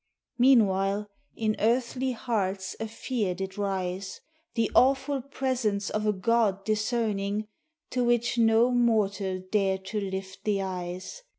Meanwhile in earthly hearts a fear did rise, The awful presence of a god discerning, To which no mortal dared to lift the eyes.